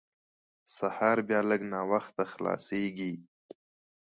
سهار بیا لږ ناوخته خلاصېږي.